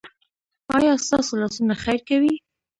ایا ستاسو لاسونه خیر کوي؟